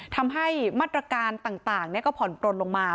ทำให้มาตรการต่างก็ผ่อนปลนลงมา